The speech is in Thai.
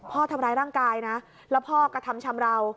พ่อทำร้ายร่างกายนะแล้วพ่อกระทำชำราว